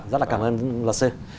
rất là cảm ơn lọt sư